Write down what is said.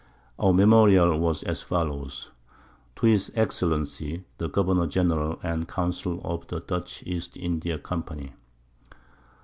Our Memorial was as follows. To His Excellency the Governour General and Council of the Dutch East India Company.